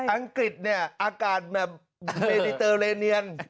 อังกฤษเนี่ยอากาศแบบเมดิเตอร์เลเนียน